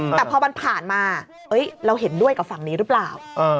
แต่พอมันผ่านมาเราเห็นด้วยกับฝั่งนี้หรือเปล่า